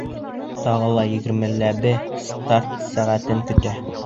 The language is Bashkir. Тағы ла егермеләбе старт сәғәтен көтә.